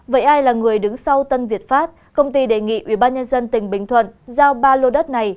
vậy ai là người đứng sau tân việt pháp công ty đề nghị ủy ban nhân dân tỉnh bình thuận giao ba lô đất này